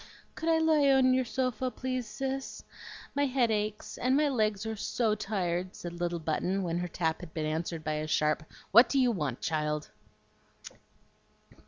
"Could I lie on your sofa, please, Cis? My head aches, and my legs are SO tired," said little Button, when her tap had been answered by a sharp "What do you want, child?"